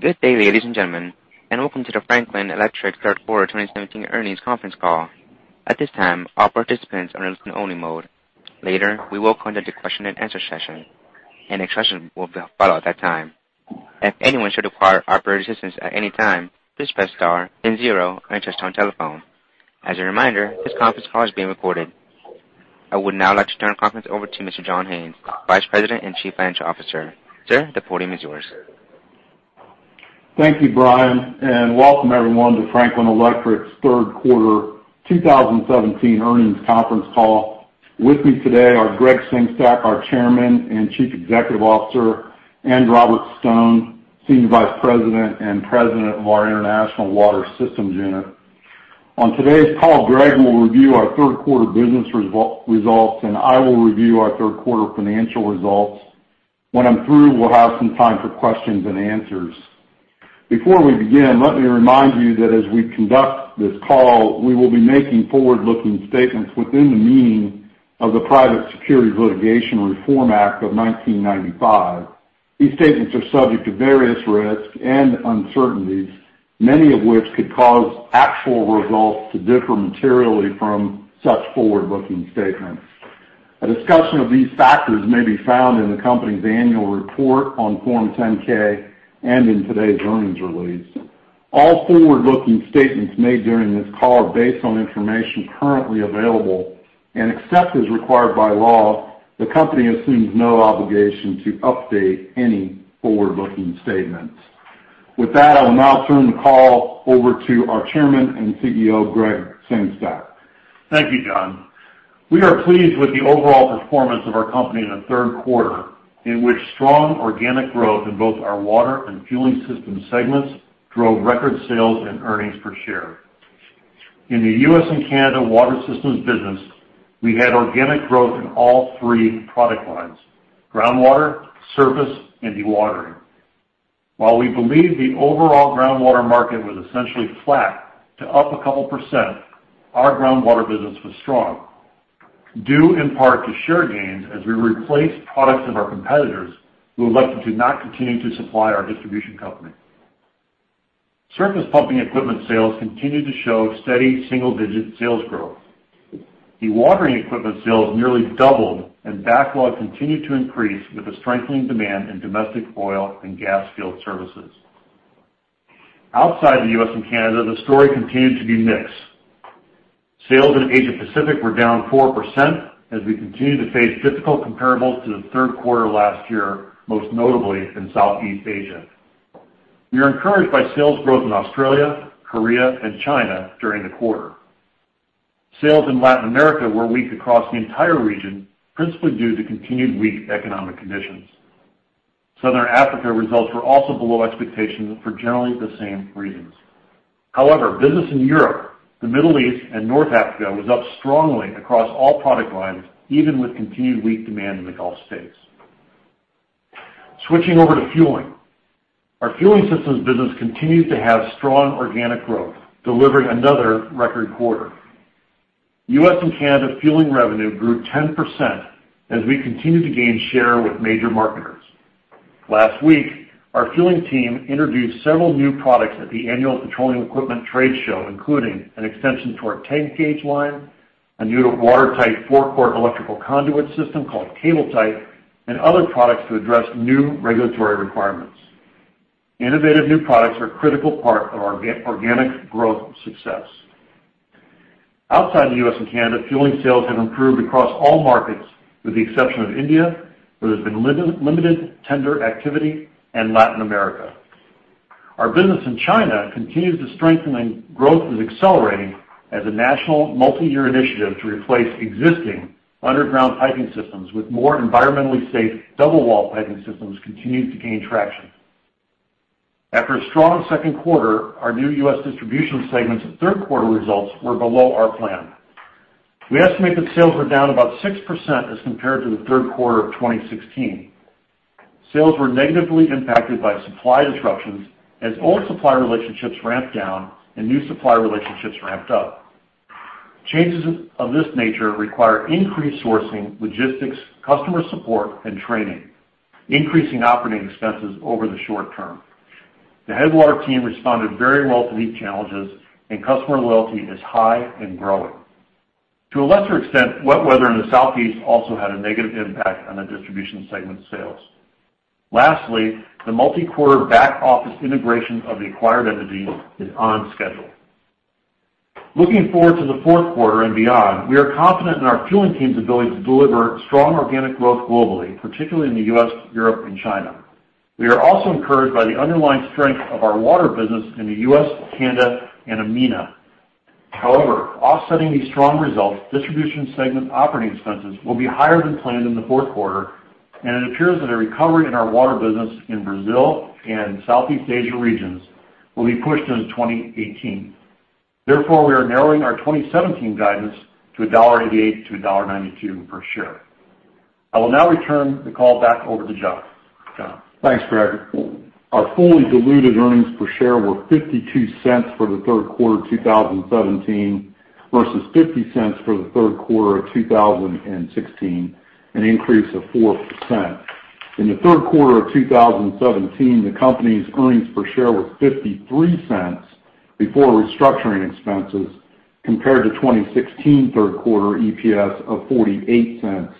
Good day, ladies and gentlemen, and welcome to the Franklin Electric third quarter 2017 earnings conference call. At this time, all participants are in listen-only mode. Later, we will conduct a question-and-answer session, and a question will be followed at that time. If anyone should require operator assistance at any time, please press star, then 0, and choose tone telephone. As a reminder, this conference call is being recorded. I would now like to turn the conference over to Mr. John Haines, Vice President and Chief Financial Officer. Sir, the podium is yours. Thank you, Brian, and welcome everyone to Franklin Electric's third quarter 2017 earnings conference call. With me today are Gregg Sengstack, our Chairman and Chief Executive Officer, and Robert Stone, Senior Vice President and President of our International Water Systems Unit. On today's call, Gregg will review our third quarter business results, and I will review our third quarter financial results. When I'm through, we'll have some time for questions and answers. Before we begin, let me remind you that as we conduct this call, we will be making forward-looking statements within the meaning of the Private Securities Litigation Reform Act of 1995. These statements are subject to various risks and uncertainties, many of which could cause actual results to differ materially from such forward-looking statements. A discussion of these factors may be found in the company's annual report on Form 10-K and in today's earnings release. All forward-looking statements made during this call are based on information currently available, and except as required by law, the company assumes no obligation to update any forward-looking statements. With that, I will now turn the call over to our Chairman and CEO, Gregg Sengstack. Thank you, John. We are pleased with the overall performance of our company in the third quarter, in which strong organic growth in both our water and fueling systems segments drove record sales and earnings per share. In the U.S. and Canada water systems business, we had organic growth in all three product lines: groundwater, surface, and dewatering. While we believe the overall groundwater market was essentially flat to up a couple%, our groundwater business was strong, due in part to share gains as we replaced products of our competitors who elected to not continue to supply our distribution company. Surface pumping equipment sales continued to show steady single-digit sales growth. Dewatering equipment sales nearly doubled, and backlog continued to increase with the strengthening demand in domestic oil and gas field services. Outside the U.S. and Canada, the story continued to be mixed. Sales in Asia-Pacific were down 4% as we continued to face difficult comparables to the third quarter last year, most notably in Southeast Asia. We were encouraged by sales growth in Australia, Korea, and China during the quarter. Sales in Latin America were weak across the entire region, principally due to continued weak economic conditions. Southern Africa results were also below expectations for generally the same reasons. However, business in Europe, the Middle East, and North Africa was up strongly across all product lines, even with continued weak demand in the Gulf states. Switching over to fueling, our fueling systems business continues to have strong organic growth, delivering another record quarter. U.S. and Canada fueling revenue grew 10% as we continued to gain share with major marketers. Last week, our fueling team introduced several new products at the annual petroleum equipment trade show, including an extension to our tank gauge line, a new watertight forecourt electrical conduit system called Cable Tight, and other products to address new regulatory requirements. Innovative new products are a critical part of our organic growth success. Outside the U.S. and Canada, fueling sales have improved across all markets, with the exception of India, where there's been limited tender activity, and Latin America. Our business in China continues to strengthen, and growth is accelerating as a national multi-year initiative to replace existing underground piping systems with more environmentally safe double-wall piping systems continues to gain traction. After a strong second quarter, our new U.S. distribution segments' third quarter results were below our plan. We estimate that sales were down about 6% as compared to the third quarter of 2016. Sales were negatively impacted by supply disruptions as old supply relationships ramped down and new supply relationships ramped up. Changes of this nature require increased sourcing, logistics, customer support, and training, increasing operating expenses over the short term. The Headwater team responded very well to these challenges, and customer loyalty is high and growing. To a lesser extent, wet weather in the Southeast also had a negative impact on the distribution segment sales. Lastly, the multi-quarter back-office integration of the acquired entity is on schedule. Looking forward to the fourth quarter and beyond, we are confident in our fueling team's ability to deliver strong organic growth globally, particularly in the U.S., Europe, and China. We are also encouraged by the underlying strength of our water business in the U.S., Canada, and EMEA. However, offsetting these strong results, distribution segment operating expenses will be higher than planned in the fourth quarter, and it appears that a recovery in our water business in Brazil and Southeast Asia regions will be pushed into 2018. Therefore, we are narrowing our 2017 guidance to $1.88-$1.92 per share. I will now return the call back over to John. Thanks, Gregg. Our fully diluted earnings per share were $0.52 for the third quarter of 2017 versus $0.50 for the third quarter of 2016, an increase of 4%. In the third quarter of 2017, the company's earnings per share were $0.53 before restructuring expenses compared to 2016 third quarter EPS of $0.48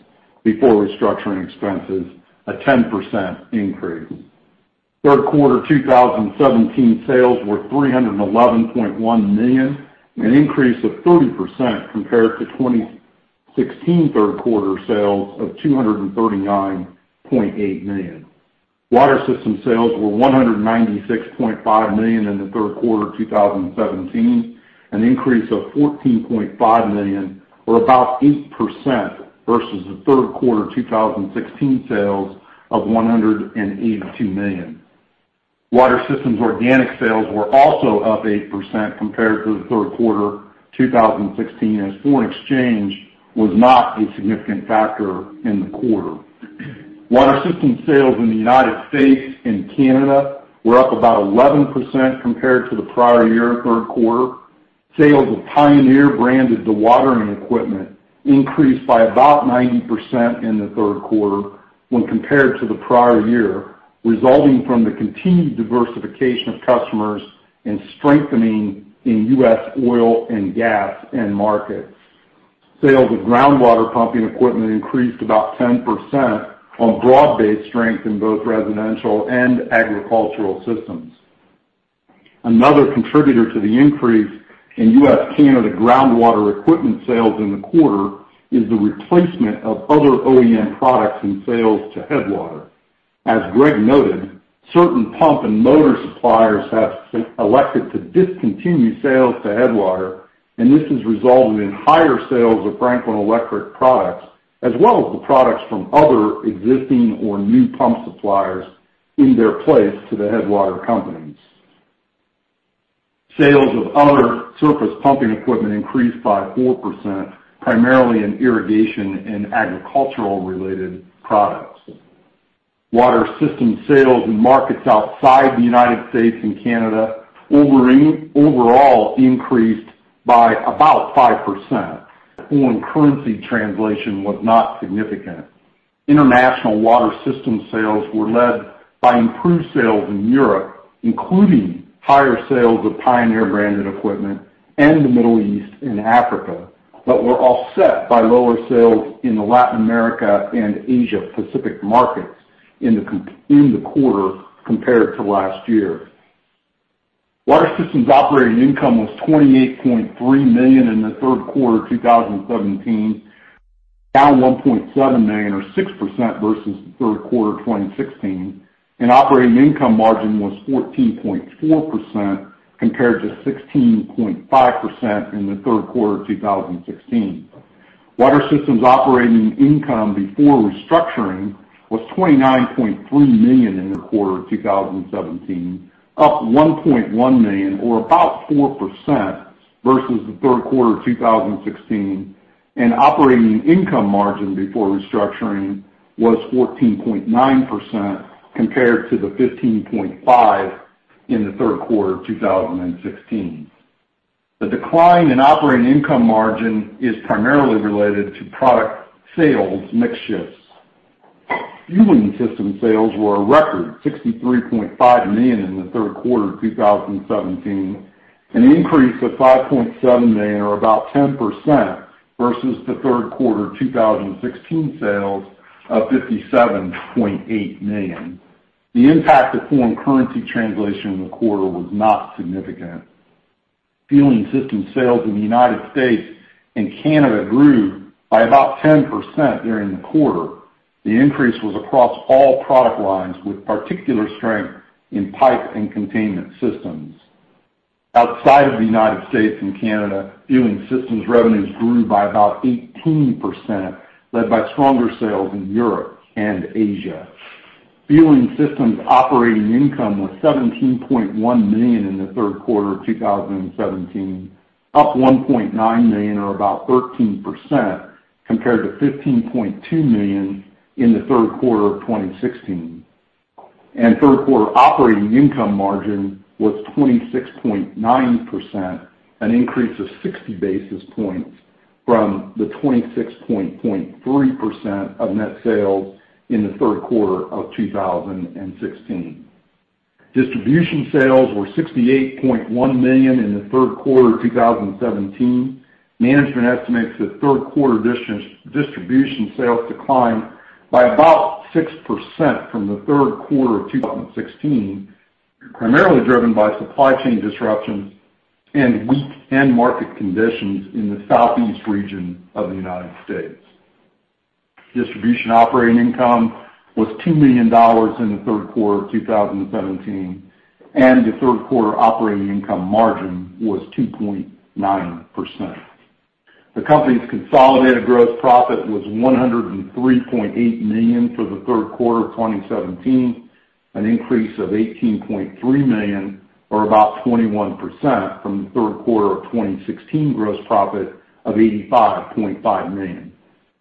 before restructuring expenses, a 10% increase. Third quarter 2017 sales were $311.1 million, an increase of 30% compared to 2016 third quarter sales of $239.8 million. Water Systems sales were $196.5 million in the third quarter of 2017, an increase of $14.5 million, or about 8% versus the third quarter 2016 sales of $182 million. Water Systems organic sales were also up 8% compared to the third quarter 2016 as foreign exchange was not a significant factor in the quarter. Water systems sales in the United States and Canada were up about 11% compared to the prior year third quarter. Sales of Pioneer branded dewatering equipment increased by about 90% in the third quarter when compared to the prior year, resulting from the continued diversification of customers and strengthening in U.S. oil and gas markets. Sales of groundwater pumping equipment increased about 10% on broad-based strength in both residential and agricultural systems. Another contributor to the increase in U.S.-Canada groundwater equipment sales in the quarter is the replacement of other OEM products in sales to Headwater. As Gregg noted, certain pump and motor suppliers have elected to discontinue sales to Headwater, and this has resulted in higher sales of Franklin Electric products as well as the products from other existing or new pump suppliers in their place to the Headwater companies. Sales of other surface pumping equipment increased by 4%, primarily in irrigation and agricultural-related products. Water systems sales in markets outside the United States and Canada overall increased by about 5%. Foreign currency translation was not significant. International water systems sales were led by improved sales in Europe, including higher sales of Pioneer branded equipment, and the Middle East and Africa, but were offset by lower sales in the Latin America and Asia-Pacific markets in the quarter compared to last year. Water systems operating income was $28.3 million in the third quarter of 2017, down $1.7 million or 6% versus the third quarter of 2016, and operating income margin was 14.4% compared to 16.5% in the third quarter of 2016. Water Systems operating income before restructuring was $29.3 million in the third quarter of 2017, up $1.1 million or about 4% versus the third quarter of 2016, and operating income margin before restructuring was 14.9% compared to the 15.5% in the third quarter of 2016. The decline in operating income margin is primarily related to product sales mix-shifts. Fueling Systems sales were a record, $63.5 million in the third quarter of 2017, an increase of $5.7 million or about 10% versus the third quarter of 2016 sales of $57.8 million. The impact of foreign currency translation in the quarter was not significant. Fueling Systems sales in the United States and Canada grew by about 10% during the quarter. The increase was across all product lines, with particular strength in pipe and containment systems. Outside of the United States and Canada, fueling systems revenues grew by about 18%, led by stronger sales in Europe and Asia. Fueling systems operating income was $17.1 million in the third quarter of 2017, up $1.9 million or about 13% compared to $15.2 million in the third quarter of 2016. Third quarter operating income margin was 26.9%, an increase of 60 basis points from the 26.3% of net sales in the third quarter of 2016. Distribution sales were $68.1 million in the third quarter of 2017. Management estimates the third quarter distribution sales declined by about 6% from the third quarter of 2016, primarily driven by supply chain disruptions and weak end market conditions in the Southeast region of the United States. Distribution operating income was $2 million in the third quarter of 2017, and the third quarter operating income margin was 2.9%. The company's consolidated gross profit was $103.8 million for the third quarter of 2017, an increase of $18.3 million or about 21% from the third quarter of 2016 gross profit of $85.5 million.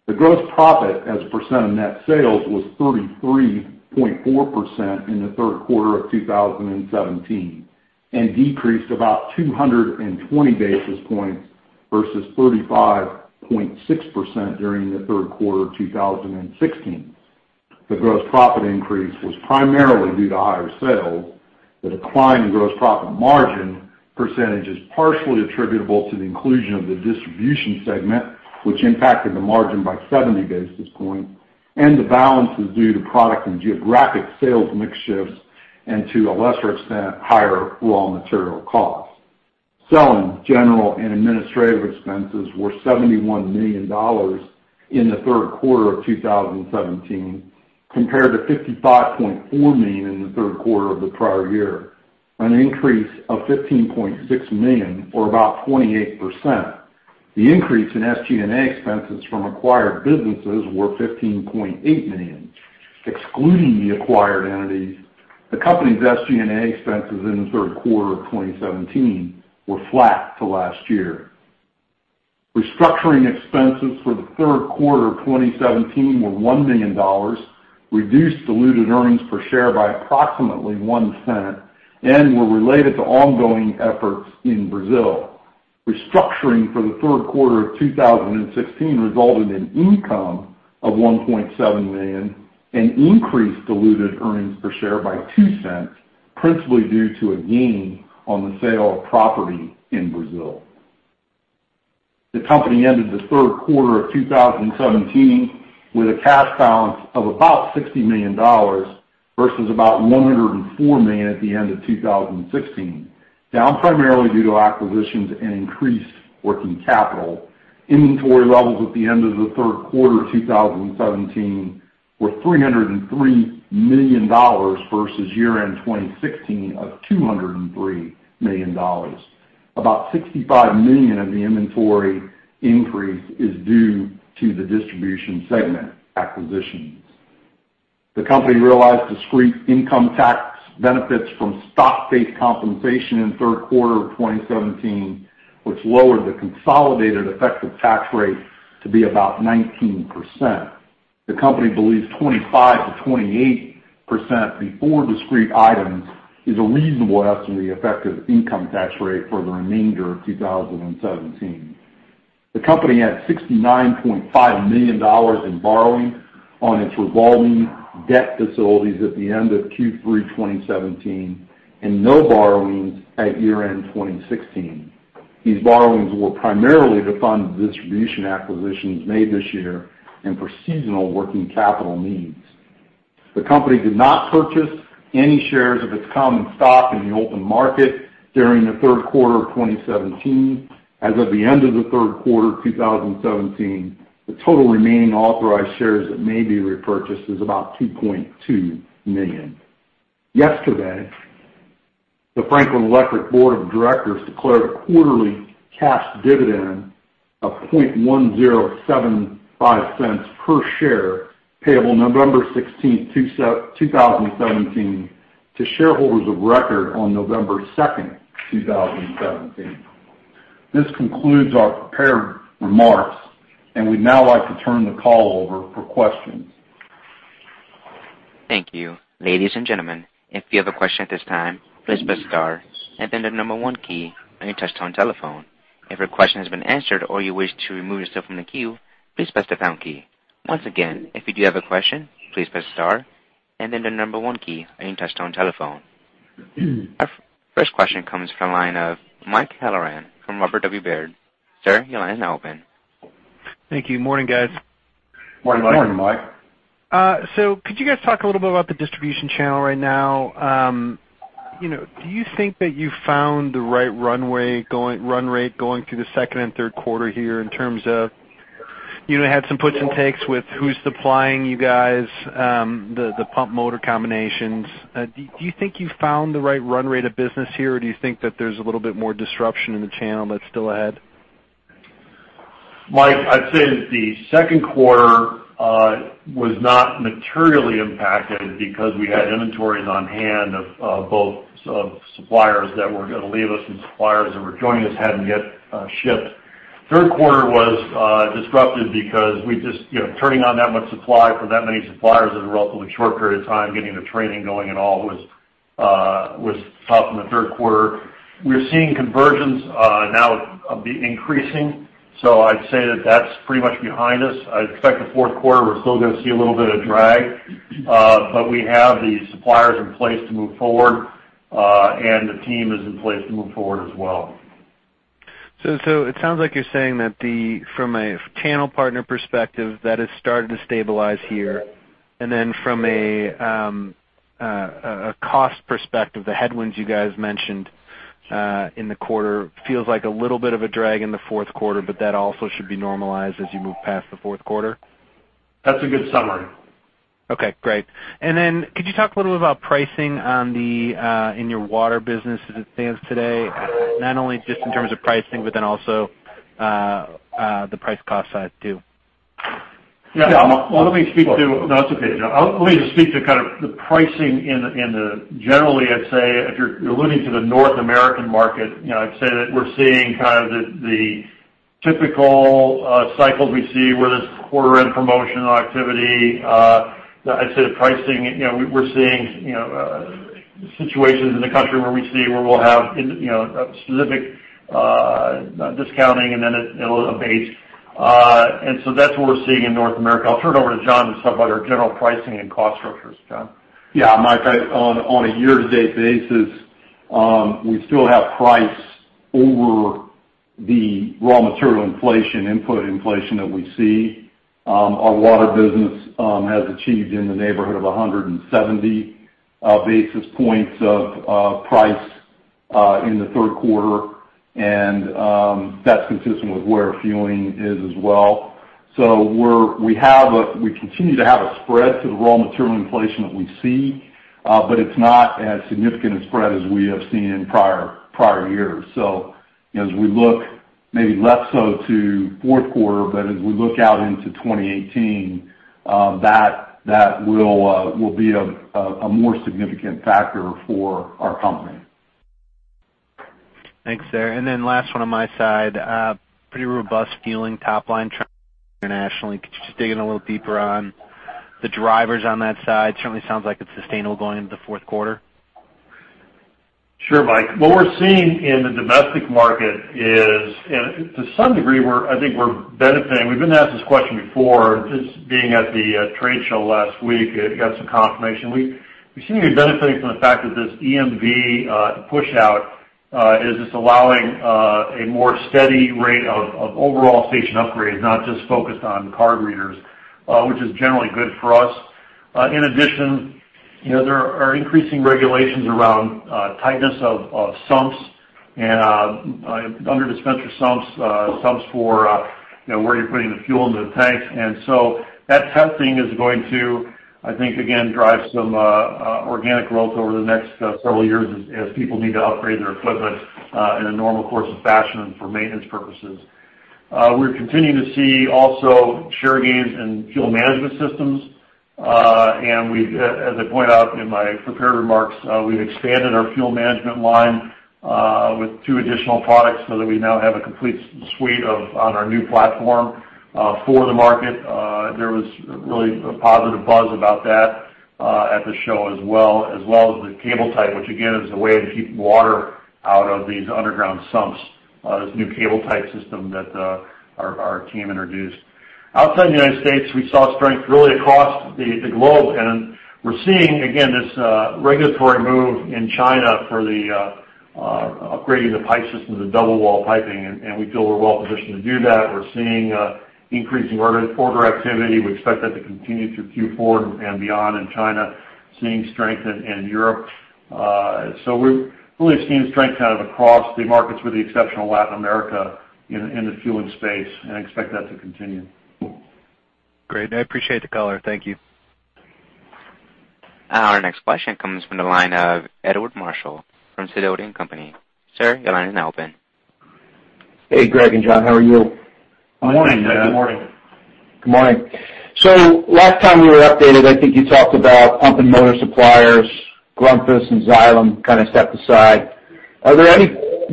The gross profit as a percent of net sales was 33.4% in the third quarter of 2017 and decreased about 220 basis points versus 35.6% during the third quarter of 2016. The gross profit increase was primarily due to higher sales. The decline in gross profit margin percentage is partially attributable to the inclusion of the distribution segment, which impacted the margin by 70 basis points, and the balance due to product and geographic sales mix-shifts and, to a lesser extent, higher raw material costs. Selling, general, and administrative expenses were $71 million in the third quarter of 2017 compared to $55.4 million in the third quarter of the prior year, an increase of $15.6 million or about 28%. The increase in SG&A expenses from acquired businesses were $15.8 million. Excluding the acquired entities, the company's SG&A expenses in the third quarter of 2017 were flat to last year. Restructuring expenses for the third quarter of 2017 were $1 million, reduced diluted earnings per share by approximately $0.01, and were related to ongoing efforts in Brazil. Restructuring for the third quarter of 2016 resulted in income of $1.7 million and increased diluted earnings per share by $0.02, principally due to a gain on the sale of property in Brazil. The company ended the third quarter of 2017 with a cash balance of about $60 million versus about $104 million at the end of 2016, down primarily due to acquisitions and increased working capital. Inventory levels at the end of the third quarter of 2017 were $303 million versus year-end 2016 of $203 million. About $65 million of the inventory increase is due to the distribution segment. Acquisitions. The company realized discrete income tax benefits from stock-based compensation in third quarter of 2017, which lowered the consolidated effective tax rate to be about 19%. The company believes 25%-28% before discrete items is a reasonable estimate of the effective income tax rate for the remainder of 2017. The company had $69.5 million in borrowing on its revolving debt facilities at the end of Q3 2017 and no borrowings at year-end 2016. These borrowings were primarily to fund distribution acquisitions made this year and for seasonal working capital needs. The company did not purchase any shares of its common stock in the open market during the third quarter of 2017. As of the end of the third quarter of 2017, the total remaining authorized shares that may be repurchased is about 2.2 million. Yesterday, the Franklin Electric Board of Directors declared a quarterly cash dividend of $0.1075 per share payable November 16, 2017, to shareholders of record on November 2, 2017. This concludes our prepared remarks, and we'd now like to turn the call over for questions. Thank you. Ladies and gentlemen, if you have a question at this time, please press star, and then the 1 key on your touch-tone telephone. If your question has been answered or you wish to remove yourself from the queue, please press the pound key. Once again, if you do have a question, please press star, and then the 1 key on your touch-tone telephone. Our first question comes from the line of Mike Halloran from Robert W. Baird. Sir, your line is now open. Thank you. Good morning, guys. Morning, Mike. Morning, Mike. So could you guys talk a little bit about the distribution channel right now? Do you think that you found the right run rate going through the second and third quarter here in terms of you had some puts and takes with who's supplying you guys, the pump-motor combinations? Do you think you found the right run rate of business here, or do you think that there's a little bit more disruption in the channel that's still ahead? Mike, I'd say the second quarter was not materially impacted because we had inventories on hand of both suppliers that were going to leave us and suppliers that were joining us hadn't yet shipped. Third quarter was disrupted because turning on that much supply for that many suppliers in a relatively short period of time, getting the training going and all was tough in the third quarter. We're seeing conversions now increasing, so I'd say that that's pretty much behind us. I expect the fourth quarter we're still going to see a little bit of drag, but we have the suppliers in place to move forward, and the team is in place to move forward as well. It sounds like you're saying that from a channel partner perspective, that has started to stabilize here. From a cost perspective, the headwinds you guys mentioned in the quarter feels like a little bit of a drag in the fourth quarter, but that also should be normalized as you move past the fourth quarter? That's a good summary. Okay. Great. And then could you talk a little bit about pricing in your water business as it stands today, not only just in terms of pricing but then also the price-cost side too? Yeah. Well, let me speak to—no, it's okay. Let me just speak to kind of the pricing in general. I'd say if you're alluding to the North American market, I'd say that we're seeing kind of the typical cycles we see where there's quarter-end promotional activity. I'd say the pricing we're seeing situations in the country where we'll have specific discounting, and then it'll abate. And so that's what we're seeing in North America. I'll turn it over to John to talk about our general pricing and cost structures. John? Yeah. Mike, on a year-to-date basis, we still have price over the raw material inflation, input inflation that we see. Our water business has achieved in the neighborhood of 170 basis points of price in the third quarter, and that's consistent with where fueling is as well. So we continue to have a spread to the raw material inflation that we see, but it's not as significant a spread as we have seen in prior years. So as we look maybe less so to fourth quarter, but as we look out into 2018, that will be a more significant factor for our company. Thanks, sir. And then last one on my side, pretty robust fueling topline trend internationally. Could you just dig in a little deeper on the drivers on that side? Certainly sounds like it's sustainable going into the fourth quarter. Sure, Mike. What we're seeing in the domestic market is, to some degree, I think we're benefiting. We've been asked this question before. Just being at the trade show last week, it got some confirmation. We seem to be benefiting from the fact that this EMV push-out is just allowing a more steady rate of overall station upgrades, not just focused on card readers, which is generally good for us. In addition, there are increasing regulations around tightness of sumps, under-dispenser sumps, sumps for where you're putting the fuel into the tanks. And so that testing is going to, I think, again, drive some organic growth over the next several years as people need to upgrade their equipment in a normal course of fashion for maintenance purposes. We're continuing to see also share gains in fuel management systems. As I point out in my prepared remarks, we've expanded our fuel management line with 2 additional products so that we now have a complete suite on our new platform for the market. There was really a positive buzz about that at the show as well, as well as the Cable Tight, which again is a way to keep water out of these underground sumps, this new Cable Tight system that our team introduced. Outside the United States, we saw strength really across the globe. We're seeing, again, this regulatory move in China for upgrading the pipe system, the double-wall piping, and we feel we're well positioned to do that. We're seeing increasing order activity. We expect that to continue through Q4 and beyond in China, seeing strength in Europe. We're really seeing strength kind of across the markets, with the exception of Latin America in the fueling space, and expect that to continue. Great. I appreciate the caller. Thank you. Our next question comes from the line of Edward Marshall from Sidoti & Company. Sir, your line is now open. Hey, Gregg and John. How are you? Good morning. Good morning. Good morning. So last time we were updated, I think you talked about pump and motor suppliers, Grundfos and Xylem kind of stepped aside.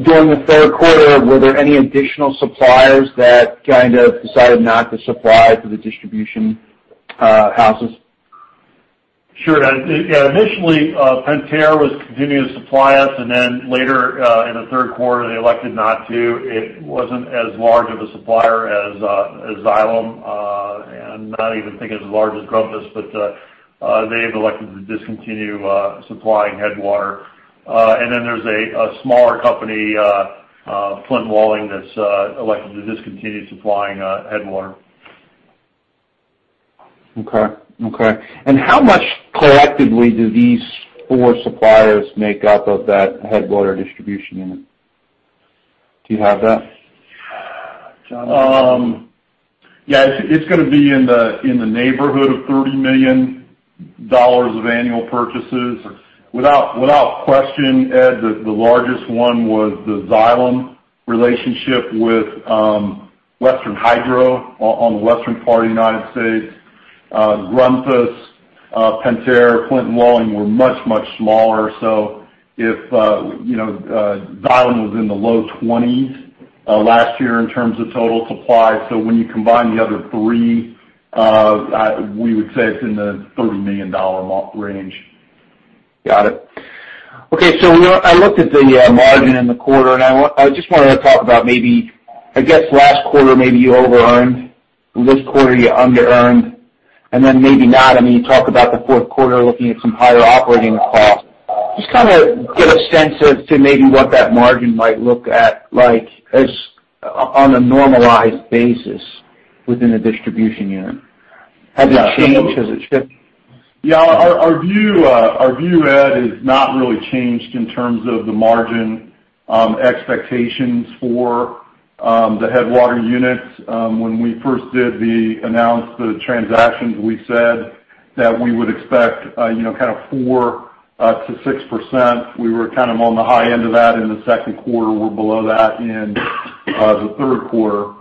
During the third quarter, were there any additional suppliers that kind of decided not to supply to the distribution houses? Sure. Yeah. Initially, Pentair was continuing to supply us, and then later in the third quarter, they elected not to. It wasn't as large of a supplier as Xylem, and I'm not even thinking it's as large as Grundfos, but they've elected to discontinue supplying Headwater. And then there's a smaller company, Flint & Walling, that's elected to discontinue supplying Headwater. Okay. Okay. How much collectively do these four suppliers make up of that Headwater distribution unit? Do you have that? Yeah. It's going to be in the neighborhood of $30 million of annual purchases. Without question, Ed, the largest one was the Xylem relationship with Western Hydro on the western part of the United States. Grundfos, Pentair, Flint & Walling were much, much smaller. So Xylem was in the low $20s million last year in terms of total supply. So when you combine the other three, we would say it's in the $30 million range. Got it. Okay. So I looked at the margin in the quarter, and I just wanted to talk about maybe I guess last quarter, maybe you over-earned. This quarter, you under-earned. And then maybe not. I mean, you talked about the fourth quarter looking at some higher operating costs. Just kind of get a sense of maybe what that margin might look at on a normalized basis within a distribution unit. Has it changed? Has it shifted? Yeah. Our view, Ed, is not really changed in terms of the margin expectations for the Headwater units. When we first announced the transactions, we said that we would expect kind of 4%-6%. We were kind of on the high end of that in the second quarter. We're below that in the third quarter.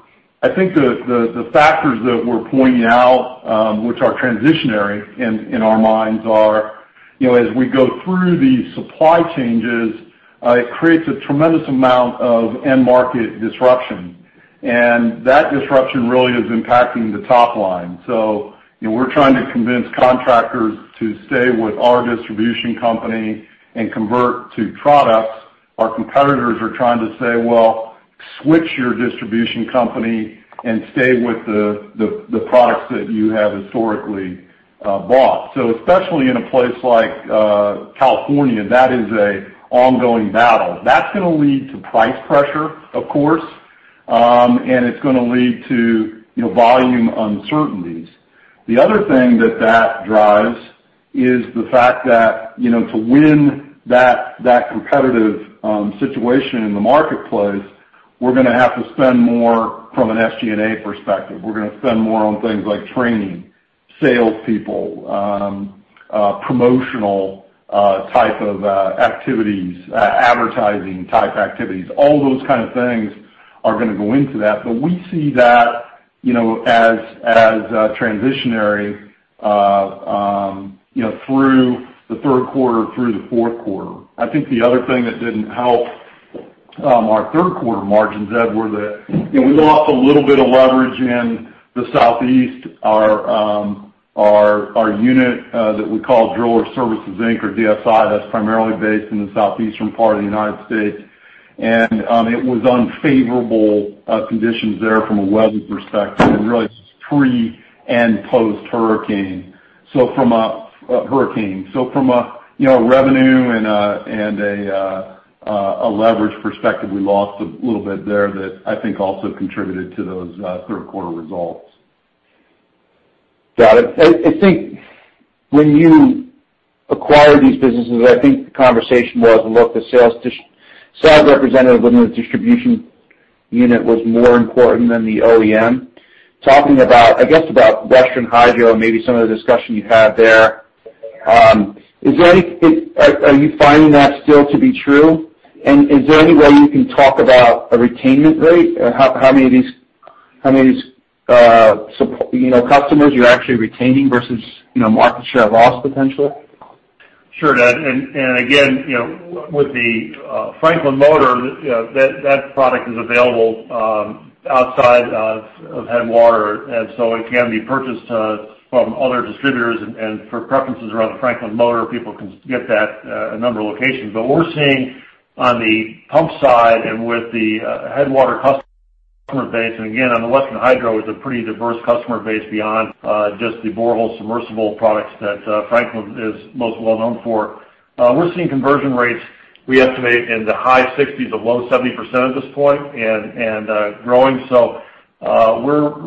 I think the factors that we're pointing out, which are transitory in our minds, are as we go through these supply changes, it creates a tremendous amount of end-market disruption. And that disruption really is impacting the top line. So we're trying to convince contractors to stay with our distribution company and convert to products. Our competitors are trying to say, "Well, switch your distribution company and stay with the products that you have historically bought." So especially in a place like California, that is an ongoing battle. That's going to lead to price pressure, of course, and it's going to lead to volume uncertainties. The other thing that that drives is the fact that to win that competitive situation in the marketplace, we're going to have to spend more from an SG&A perspective. We're going to spend more on things like training, salespeople, promotional type of activities, advertising type activities. All those kind of things are going to go into that. But we see that as transitory through the third quarter, through the fourth quarter. I think the other thing that didn't help our third quarter margins, Ed, were that we lost a little bit of leverage in the Southeast, our unit that we call Drillers Service, Inc., or DSI. That's primarily based in the southeastern part of the United States. And it was unfavorable conditions there from a weather perspective and really pre- and post-hurricane. From a revenue and a leverage perspective, we lost a little bit there that I think also contributed to those third-quarter results. Got it. I think when you acquired these businesses, I think the conversation was, "Look, the sales representative within the distribution unit was more important than the OEM." Talking about, I guess, about Western Hydro and maybe some of the discussion you had there, are you finding that still to be true? And is there any way you can talk about a retention rate? How many of these customers you're actually retaining versus market share loss potentially? Sure, Ed. Again, with the Franklin Motor, that product is available outside of Headwater, and so it can be purchased from other distributors. For preferences around the Franklin Motor, people can get that at a number of locations. But we're seeing on the pump side and with the Headwater customer base and again, on the Western Hydro, it's a pretty diverse customer base beyond just the borehole submersible products that Franklin is most well known for. We're seeing conversion rates, we estimate, in the high 60s or low 70% at this point and growing. So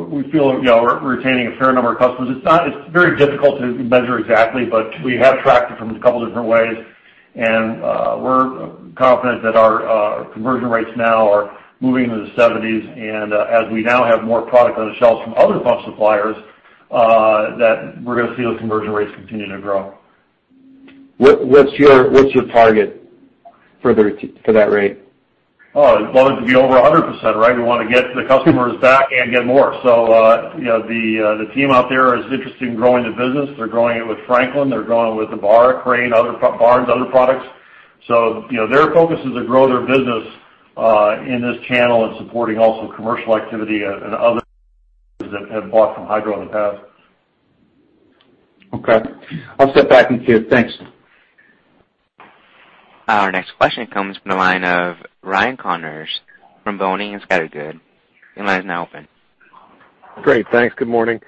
we feel we're retaining a fair number of customers. It's very difficult to measure exactly, but we have tracked it from a couple of different ways. We're confident that our conversion rates now are moving into the 70s. As we now have more product on the shelves from other pump suppliers, we're going to see those conversion rates continue to grow. What's your target for that rate? Oh, we want it to be over 100%, right? We want to get the customers back and get more. So the team out there is interested in growing the business. They're growing it with Franklin. They're growing it with the Ebara, Crane, Barnes, other products. So their focus is to grow their business in this channel and supporting also commercial activity and others that have bought from Hydro in the past. Okay. I'll step back and see it. Thanks. Our next question comes from the line of Ryan Connors from Boenning and Scattergood. Your line is now open. Great. Thanks. Good morning.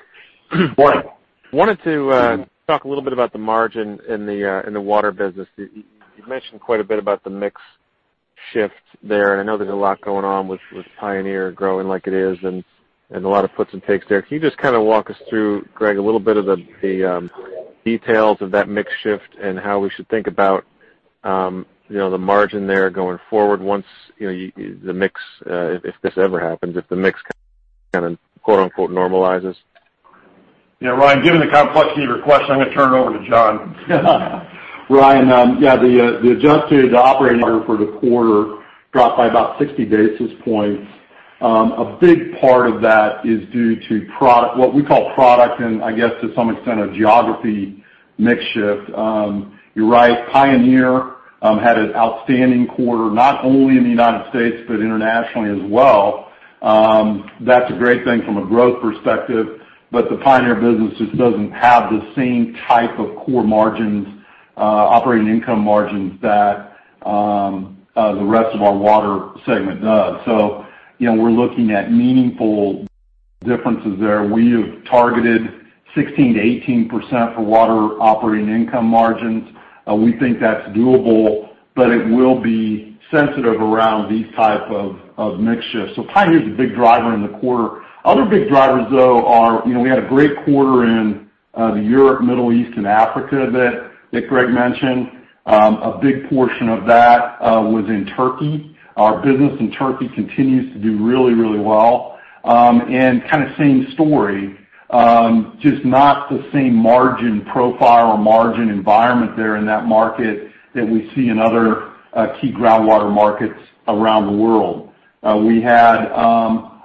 Good morning. Wanted to talk a little bit about the margin in the water business. You've mentioned quite a bit about the mix shift there, and I know there's a lot going on with Pioneer growing like it is and a lot of puts and takes there. Can you just kind of walk us through, Gregg, a little bit of the details of that mix shift and how we should think about the margin there going forward once the mix if this ever happens, if the mix kind of "normalizes"? Yeah. Ryan, given the complexity of your question, I'm going to turn it over to John. Ryan, yeah, the adjusted operating margin for the quarter dropped by about 60 basis points. A big part of that is due to what we call product mix and, I guess, to some extent, a geography mix shift. You're right. Pioneer had an outstanding quarter, not only in the United States but internationally as well. That's a great thing from a growth perspective. But the Pioneer business just doesn't have the same type of core margins, operating income margins, that the rest of our water segment does. So we're looking at meaningful differences there. We have targeted 16%-18% for water operating income margins. We think that's doable, but it will be sensitive around these type of mix shifts. So Pioneer's a big driver in the quarter. Other big drivers, though, are we had a great quarter in Europe, Middle East, and Africa that Gregg mentioned. A big portion of that was in Turkey. Our business in Turkey continues to do really, really well. And kind of same story, just not the same margin profile or margin environment there in that market that we see in other key groundwater markets around the world. We had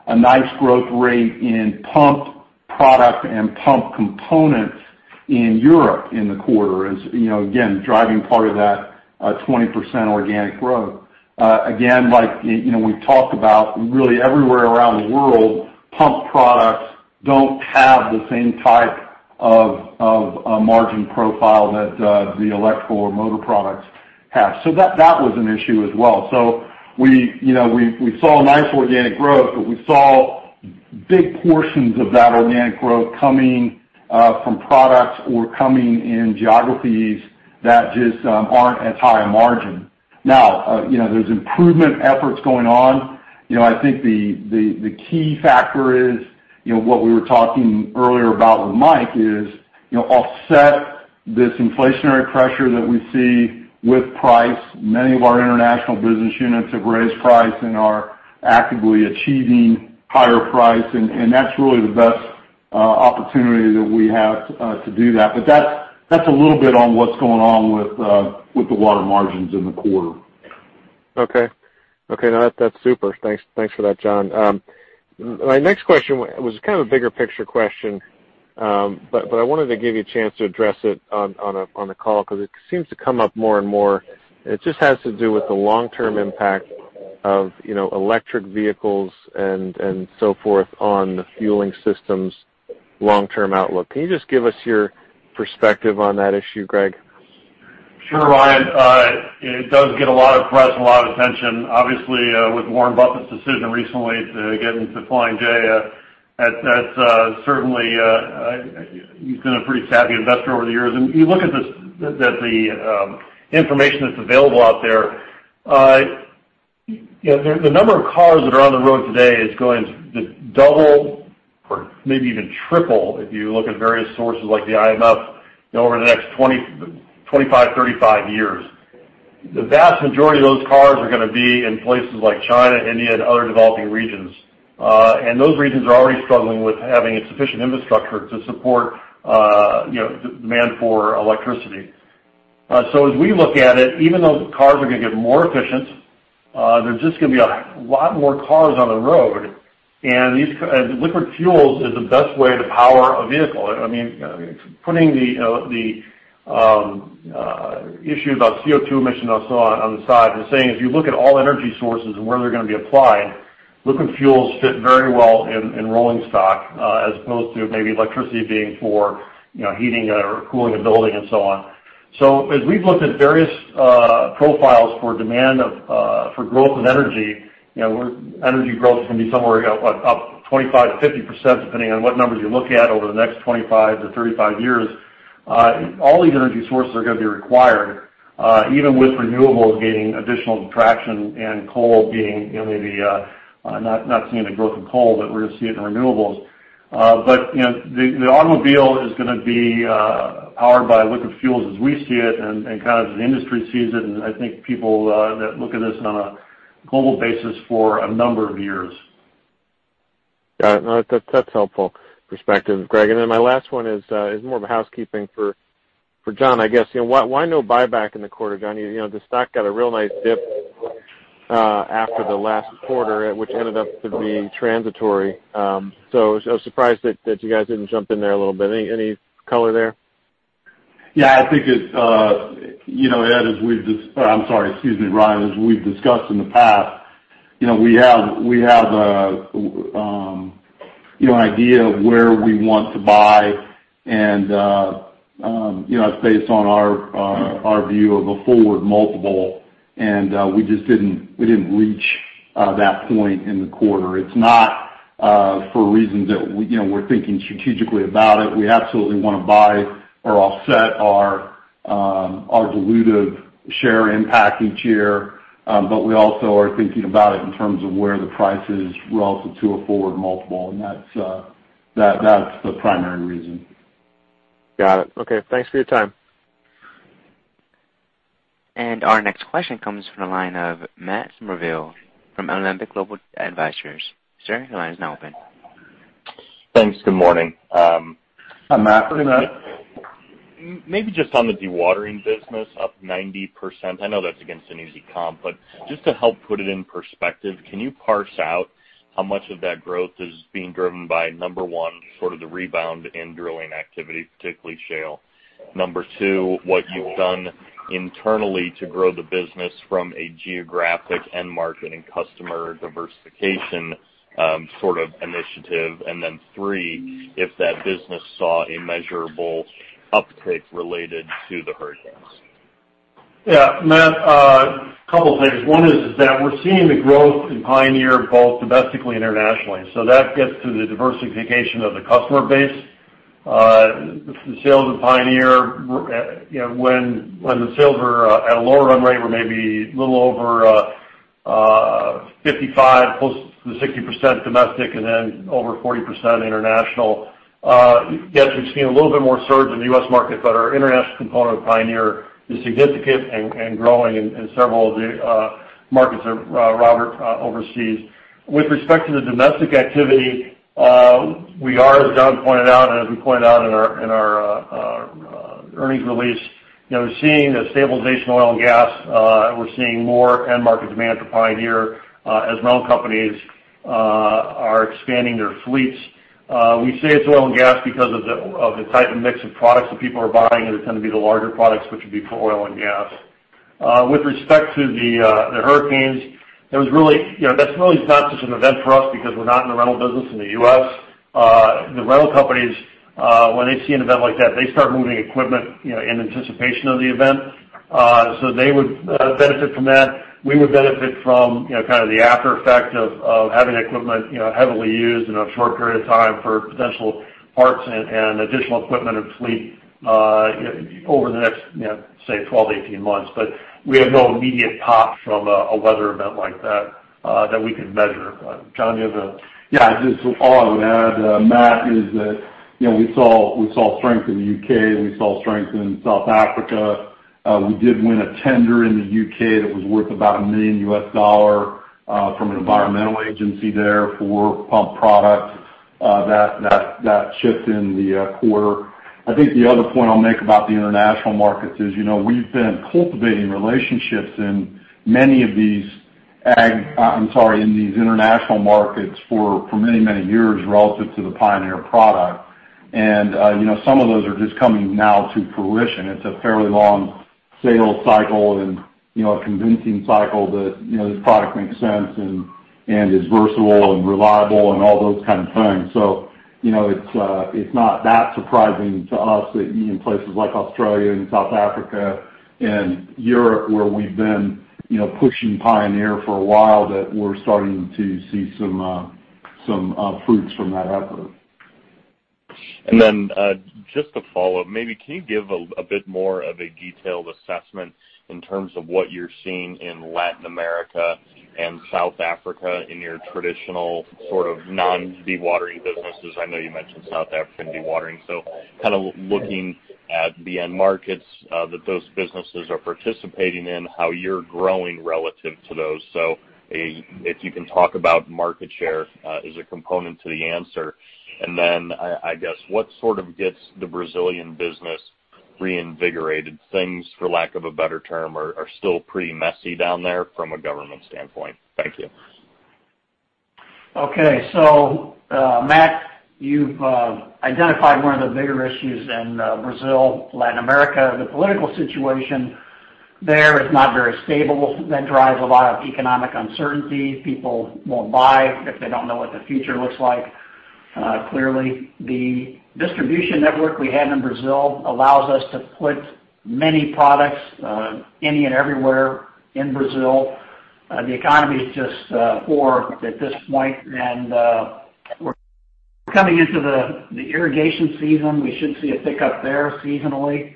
a nice growth rate in pump product and pump components in Europe in the quarter as, again, driving part of that 20% organic growth. Again, like we've talked about, really everywhere around the world, pump products don't have the same type of margin profile that the electrical or motor products have. So that was an issue as well. So we saw nice organic growth, but we saw big portions of that organic growth coming from products or coming in geographies that just aren't as high a margin. Now, there's improvement efforts going on. I think the key factor is what we were talking earlier about with Mike is offset this inflationary pressure that we see with price. Many of our international business units have raised price and are actively achieving higher price. And that's really the best opportunity that we have to do that. But that's a little bit on what's going on with the water margins in the quarter. Okay. Okay. No, that's super. Thanks for that, John. My next question was kind of a bigger picture question, but I wanted to give you a chance to address it on the call because it seems to come up more and more. And it just has to do with the long-term impact of electric vehicles and so forth on the fueling system's long-term outlook. Can you just give us your perspective on that issue, Gregg? Sure, Ryan. It does get a lot of press, a lot of attention. Obviously, with Warren Buffett's decision recently to get into Flying J, that's certainly. He's been a pretty savvy investor over the years. And you look at the information that's available out there, the number of cars that are on the road today is going to double or maybe even triple if you look at various sources like the IMF over the next 25, 35 years. The vast majority of those cars are going to be in places like China, India, and other developing regions. And those regions are already struggling with having a sufficient infrastructure to support demand for electricity. So as we look at it, even though cars are going to get more efficient, there's just going to be a lot more cars on the road. Liquid fuels is the best way to power a vehicle. I mean, putting the issue about CO2 emissions and so on on the side, we're saying if you look at all energy sources and where they're going to be applied, liquid fuels fit very well in rolling stock as opposed to maybe electricity being for heating or cooling a building and so on. So as we've looked at various profiles for demand for growth of energy, energy growth is going to be somewhere up 25%-50% depending on what numbers you look at over the next 25-35 years. All these energy sources are going to be required, even with renewables gaining additional traction and coal being maybe not seeing the growth of coal, but we're going to see it in renewables. But the automobile is going to be powered by liquid fuels as we see it and kind of as the industry sees it. And I think people that look at this on a global basis for a number of years. Got it. No, that's helpful perspective, Gregg. And then my last one is more of a housekeeping for John, I guess. Why no buyback in the quarter, John? The stock got a real nice dip after the last quarter, which ended up to be transitory. So I was surprised that you guys didn't jump in there a little bit. Any color there? Yeah. I think it's Ed, I'm sorry. Excuse me, Ryan. As we've discussed in the past, we have an idea of where we want to buy. And it's based on our view of a forward multiple, and we didn't reach that point in the quarter. It's not for reasons that we're thinking strategically about it. We absolutely want to buy or offset our dilutive share impact each year, but we also are thinking about it in terms of where the price is relative to a forward multiple. And that's the primary reason. Got it. Okay. Thanks for your time. Our next question comes from the line of Matt Summerville from Alembic Global Advisors. Sir, your line is now open. Thanks. Good morning. Hi, Matt. How are you, Matt? Maybe just on the dewatering business, up 90%. I know that's against an easy comp, but just to help put it in perspective, can you parse out how much of that growth is being driven by, number one, sort of the rebound in drilling activity, particularly shale? Number two, what you've done internally to grow the business from a geographic and market and customer diversification sort of initiative? And then three, if that business saw a measurable uptick related to the hurricanes? Yeah. Matt, a couple of things. One is that we're seeing the growth in Pioneer both domestically and internationally. So that gets to the diversification of the customer base. The sales of Pioneer, when the sales were at a lower run rate, were maybe a little over 55, close to 60% domestic and then over 40% international. Yes, we've seen a little bit more surge in the U.S. market, but our international component of Pioneer is significant and growing in several of the markets that Robert oversees. With respect to the domestic activity, we are, as John pointed out and as we pointed out in our earnings release, we're seeing a stabilization in oil and gas. We're seeing more end-market demand for Pioneer as our own companies are expanding their fleets. We say it's oil and gas because of the type of mix of products that people are buying, and they tend to be the larger products, which would be for oil and gas. With respect to the hurricanes, that's really not such an event for us because we're not in the rental business in the U.S. The rental companies, when they see an event like that, they start moving equipment in anticipation of the event. So they would benefit from that. We would benefit from kind of the aftereffect of having equipment heavily used in a short period of time for potential parts and additional equipment and fleet over the next, say, 12, 18 months. But we have no immediate pop from a weather event like that that we could measure. John, do you have a? Yeah. Just all I would add, Matt, is that we saw strength in the U.K. We saw strength in South Africa. We did win a tender in the U.K. that was worth about $1 million from an environmental agency there for pump product. That shift in the quarter. I think the other point I'll make about the international markets is we've been cultivating relationships in many of these international markets for many, many years relative to the Pioneer product. And some of those are just coming now to fruition. It's a fairly long sales cycle and a convincing cycle that this product makes sense and is versatile and reliable and all those kind of things. It's not that surprising to us that in places like Australia and South Africa and Europe where we've been pushing Pioneer for a while, that we're starting to see some fruits from that effort. And then just to follow up, maybe can you give a bit more of a detailed assessment in terms of what you're seeing in Latin America and South Africa in your traditional sort of non-dewatering businesses? I know you mentioned South African dewatering. So kind of looking at the end markets that those businesses are participating in, how you're growing relative to those. So if you can talk about market share as a component to the answer. And then, I guess, what sort of gets the Brazilian business reinvigorated? Things, for lack of a better term, are still pretty messy down there from a government standpoint. Thank you. Okay. So, Matt, you've identified one of the bigger issues in Brazil, Latin America. The political situation there is not very stable. That drives a lot of economic uncertainty. People won't buy if they don't know what the future looks like, clearly. The distribution network we have in Brazil allows us to put many products, any and everywhere, in Brazil. The economy's just poor at this point. And we're coming into the irrigation season. We should see a pickup there seasonally.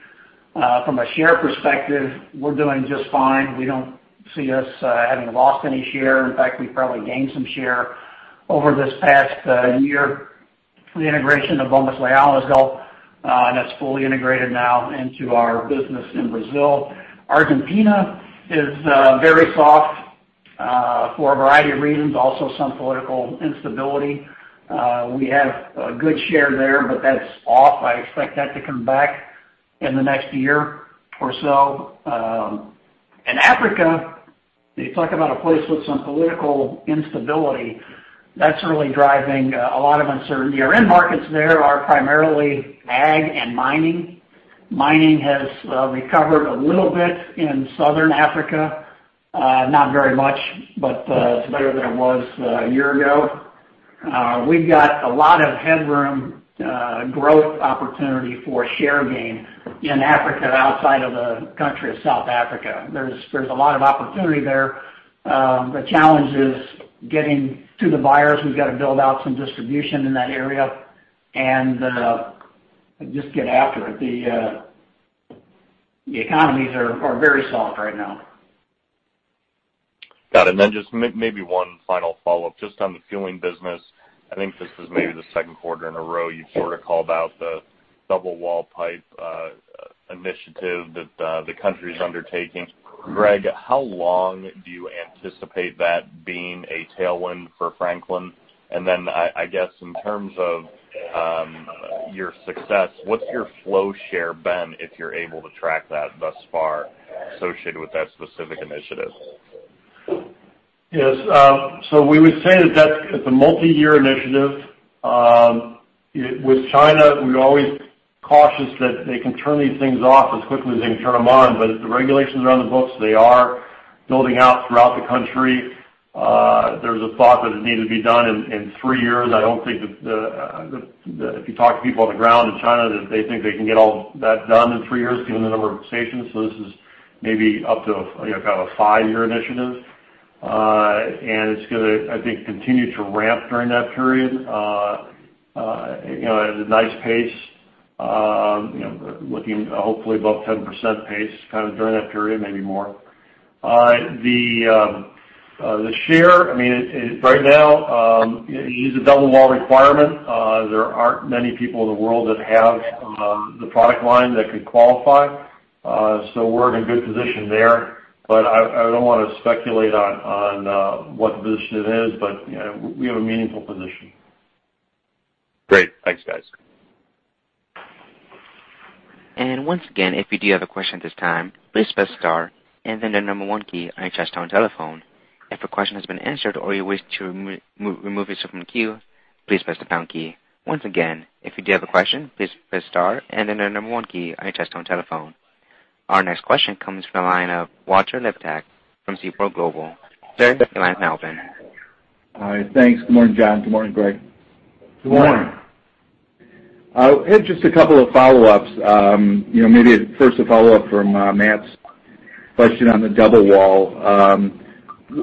From a share perspective, we're doing just fine. We don't see us having lost any share. In fact, we probably gained some share over this past year. The integration of Bombas Leal. And that's fully integrated now into our business in Brazil. Argentina is very soft for a variety of reasons, also some political instability. We have a good share there, but that's off. I expect that to come back in the next year or so. Africa, you talk about a place with some political instability. That's really driving a lot of uncertainty. Our end markets there are primarily ag and mining. Mining has recovered a little bit in southern Africa, not very much, but it's better than it was a year ago. We've got a lot of headroom, growth opportunity for share gain in Africa outside of the country of South Africa. There's a lot of opportunity there. The challenge is getting to the buyers. We've got to build out some distribution in that area and just get after it. The economies are very soft right now. Got it. And then just maybe one final follow-up just on the fueling business. I think this is maybe the second quarter in a row you've sort of called out the double-wall pipe initiative that the country's undertaking. Gregg, how long do you anticipate that being a tailwind for Franklin? And then, I guess, in terms of your success, what's your flow share been if you're able to track that thus far associated with that specific initiative? Yes. So we would say that that's a multi-year initiative. With China, we're always cautious that they can turn these things off as quickly as they can turn them on. But the regulations are on the books. They are building out throughout the country. There's a thought that it needed to be done in three years. I don't think that if you talk to people on the ground in China, that they think they can get all that done in three years, given the number of stations. So this is maybe up to kind of a five-year initiative. And it's going to, I think, continue to ramp during that period at a nice pace, looking hopefully above 10% pace kind of during that period, maybe more. The share, I mean, right now, it is a double-wall requirement. There aren't many people in the world that have the product line that could qualify. So we're in a good position there. But I don't want to speculate on what the position it is, but we have a meaningful position. Great. Thanks, guys. Once again, if you do have a question at this time, please press star, then the number one key on your touch-tone telephone. If a question has been answered or you wish to remove yourself from the queue, please press the pound key. Once again, if you do have a question, please press star and then the number one key on your touch-tone telephone. Our next question comes from the line of Walter Liptak from Seaport Global. Sir. Your line is now open. All right. Thanks. Good morning, John. Good morning, Gregg. Good morning. Ed, just a couple of follow-ups. Maybe first a follow-up from Matt's question on the double wall.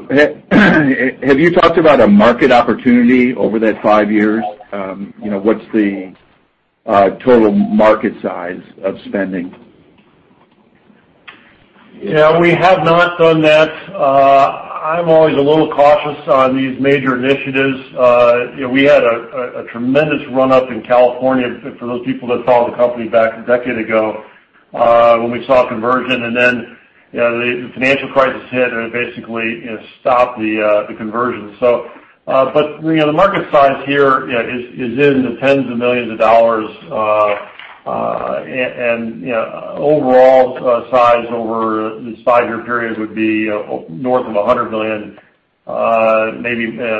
Have you talked about a market opportunity over that five years? What's the total market size of spending? We have not done that. I'm always a little cautious on these major initiatives. We had a tremendous run-up in California for those people that followed the company back a decade ago when we saw conversion. And then the financial crisis hit, and it basically stopped the conversion. But the market size here is in the $10s of millions. And overall size over this five-year period would be north of $100 million,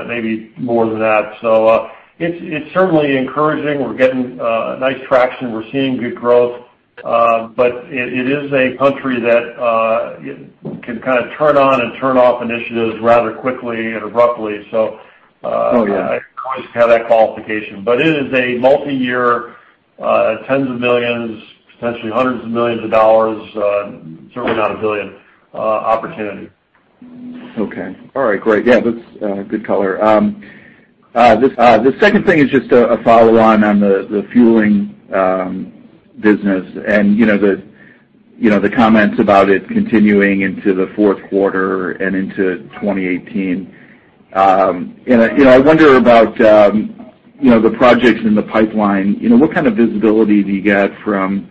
maybe more than that. So it's certainly encouraging. We're getting nice traction. We're seeing good growth. But it is a country that can kind of turn on and turn off initiatives rather quickly and abruptly. So I always have that qualification. But it is a multi-year, $10s of millions, potentially $100s of millions, certainly not a $1 billion, opportunity. Okay. All right. Great. Yeah. That's good color. The second thing is just a follow-on on the fueling business and the comments about it continuing into the fourth quarter and into 2018. And I wonder about the projects in the pipeline. What kind of visibility do you get from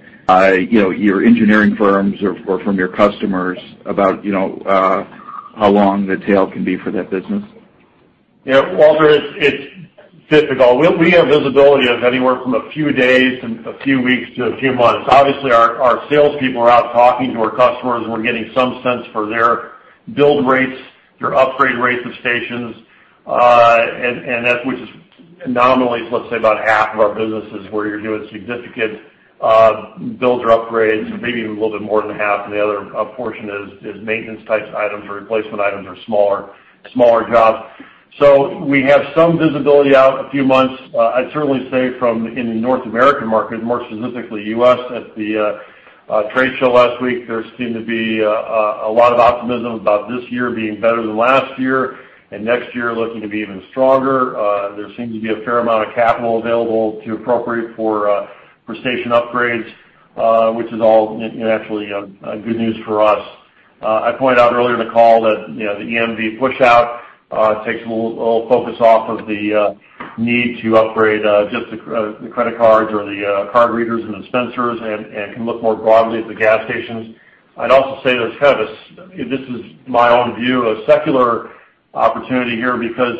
your engineering firms or from your customers about how long the tail can be for that business? Yeah. Walter, it's difficult. We have visibility of anywhere from a few days to a few weeks to a few months. Obviously, our salespeople are out talking to our customers, and we're getting some sense for their build rates, their upgrade rates of stations. And which is anomalous, let's say, about half of our businesses where you're doing significant builds or upgrades, maybe even a little bit more than half. And the other portion is maintenance-type items or replacement items or smaller jobs. So we have some visibility out a few months. I'd certainly say from in the North American market, more specifically U.S., at the trade show last week, there seemed to be a lot of optimism about this year being better than last year and next year looking to be even stronger. There seems to be a fair amount of capital available to appropriate for station upgrades, which is all actually good news for us. I pointed out earlier in the call that the EMV push-out takes a little focus off of the need to upgrade just the credit cards or the card readers and dispensers and can look more broadly at the gas stations. I'd also say there's kind of a this is my own view, a secular opportunity here because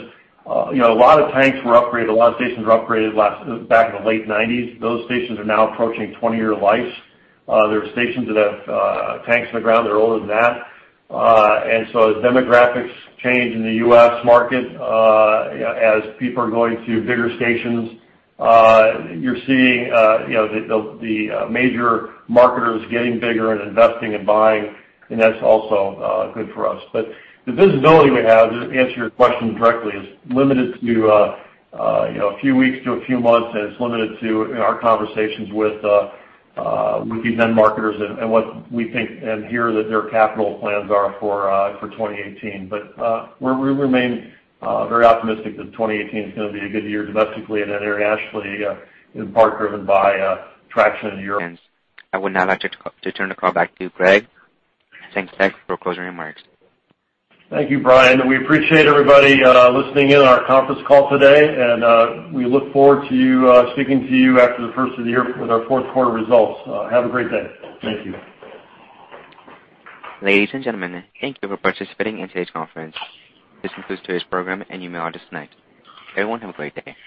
a lot of tanks were upgraded. A lot of stations were upgraded back in the late 1990s. Those stations are now approaching 20-year lives. There are stations that have tanks on the ground that are older than that. And so as demographics change in the U.S. market, as people are going to bigger stations, you're seeing the major marketers getting bigger and investing and buying. That's also good for us. But the visibility we have, to answer your question directly, is limited to a few weeks to a few months. It's limited to our conversations with these end marketers and what we think and hear that their capital plans are for 2018. We remain very optimistic that 2018 is going to be a good year domestically and then internationally in part driven by traction in Europe. Ends. I would now like to turn the call back to Gregg. Thanks, Gregg, for closing remarks. Thank you, Brian. We appreciate everybody listening in on our conference call today. We look forward to speaking to you after the first of the year with our fourth quarter results. Have a great day. Thank you. Ladies and gentlemen, thank you for participating in today's conference. This concludes today's program, and you may all disconnect. Everyone, have a great day.